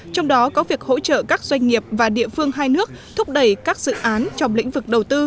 trong đó có việc hỗ trợ các doanh nghiệp và địa phương hai nước thúc đẩy các dự án trong lĩnh vực đầu tư